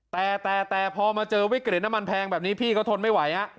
แต่แต่พอมาเจอวิกฤตน้ำมันแพงแบบนี้พี่เขาทนไม่ไหว